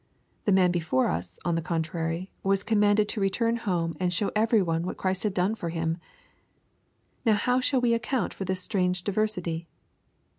The man before us, on the contrary, was commanded to return home and show every one what Christ had done for him I Now how shall we account for this strange diversity